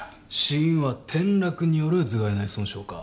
死因は転落による頭蓋内損傷か？